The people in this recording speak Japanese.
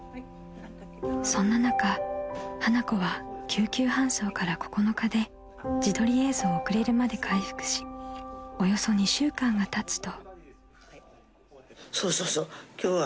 ［そんな中花子は救急搬送から９日で自撮り映像を送れるまで回復しおよそ２週間がたつと］